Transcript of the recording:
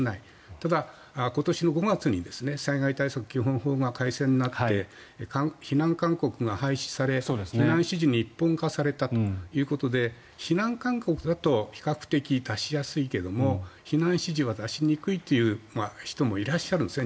ただ、今年の５月に災害対策基本法が改正になって避難勧告が廃止され避難指示に一本化されたということで避難勧告だと比較的出しやすいけども避難指示は出しにくいという人もいらっしゃるんですね